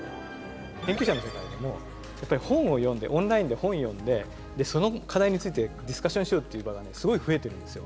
研究者の世界でもやっぱり本を読んでオンラインで本読んでその課題についてディスカッションしようっていう場がすごい増えてるんですよ。